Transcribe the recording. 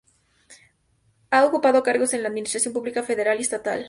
A ocupado cargos en la administración pública federal y estatal.